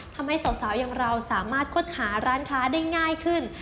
ทำให้สาวอย่างเราสามารถค้นหาร้านค้าได้ง่ายขึ้น